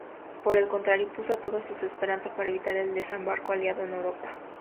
Por el contrario, puso todas sus esperanzas en evitar el desembarco aliado en Europa.